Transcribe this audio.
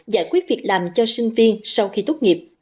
giải quyết việc làm cho sinh viên sau khi tốt nghiệp